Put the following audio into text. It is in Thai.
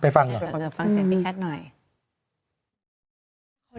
ไปฟังเสียสภาพให้พี่แคลน่ะ